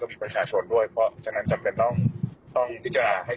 มีประชาชนด้วยเพราะฉะนั้นจำเป็นต้องต้องพิจารณาให้